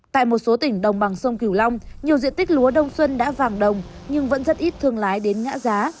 tại một số tỉnh đồng bằng sông kiều long nhiều diện tích lúa đông xuân đã vàng đồng nhưng vẫn rất ít thương lái đến ngã giá